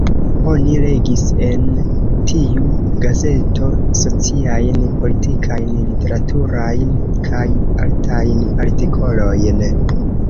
Oni legis en tiu gazeto sociajn, politikajn, literaturajn kaj artajn artikolojn.